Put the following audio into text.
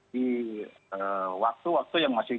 di waktu waktu yang masih